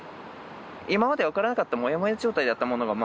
今まで分からなかったモヤモヤ状態だったものがまあ